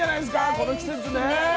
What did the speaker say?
この季節ね。